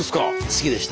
好きでした。